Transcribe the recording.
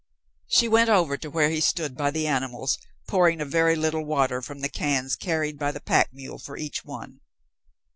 She went over to where he stood by the animals, pouring a very little water from the cans carried by the pack mule for each one.